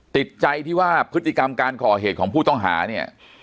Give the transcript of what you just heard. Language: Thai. ติดใจที่ว่าพฤติกรรมการก่อเหตุของผู้ต้องหาเนี่ย